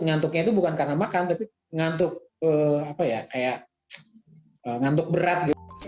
ngantuknya itu bukan karena makan tapi ngantuk berat